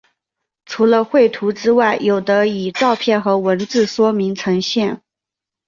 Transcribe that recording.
除了绘图之外有的以照片和文字说明呈现。